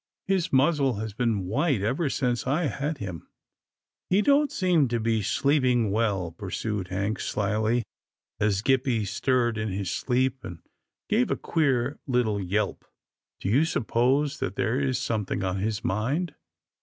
" His muzzle has been white ever since I had him." " He don't seem to be sleeping well," pursued Hank, slyly, as Gippie stirred in his sleep, and gave THE MATTER WITH GRAMPA 27 a queer little yelp. " Do you suppose that there is something on his mind